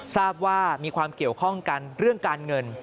ทราบว่ามีความเกี่ยวข้องกันเรื่องการเงิน